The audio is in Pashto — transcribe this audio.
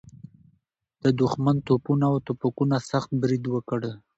د دښمن توپونه او توپکونه سخت برید وکړ.